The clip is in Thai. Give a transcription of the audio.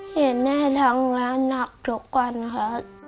เห็นแม่ทำงานหนักทุกวันค่ะ